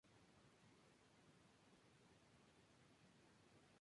Bajo el prior Jacques Nicolas Colbert fue rehecha una parte de la iglesia.